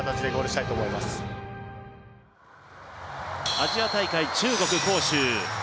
アジア大会中国・杭州。